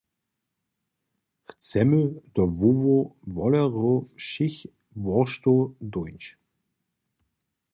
Chcemy do hłowow wolerjow wšěch worštow dóńć.